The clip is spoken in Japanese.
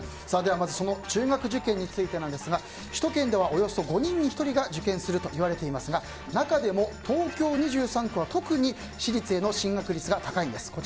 では、まずその中学受験についてですが首都圏ではおよそ５人に１人が受験するといわれていますが中でも、東京２３区は特に私立への進学率が高いんです。